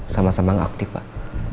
sama sama nggak aktif pak